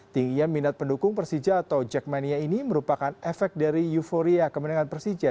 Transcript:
tingginya minat pendukung persija atau jackmania ini merupakan efek dari euforia kemenangan persija